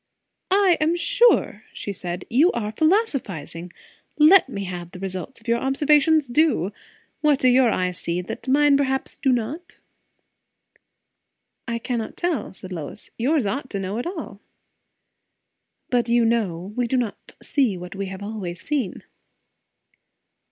"I am sure," she said, "you are philosophizing! Let me have the results of your observations, do! What do your eyes see, that mine perhaps do not?" "I cannot tell," said Lois. "Yours ought to know it all." "But you know, we do not see what we have always seen."